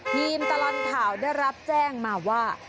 ทีมข่าวตลอดข่าวได้รับแจ้งมาว่า